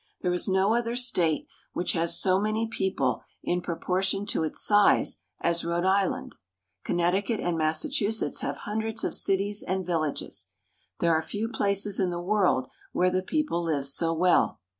There is no other state which has so many people in proportion to its size as Rhode Island. Connecticut and Massachusetts have hundreds of cities and villages. There are few places in the world where the people live so well.